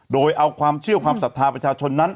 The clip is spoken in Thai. โดยเอาความเชื่อความศรัทธาประชาชนนั้น